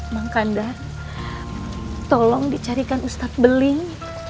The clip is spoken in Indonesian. bang kandar tolong dicarikan ustadz beling